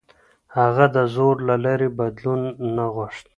هغه د زور له لارې بدلون نه غوښت.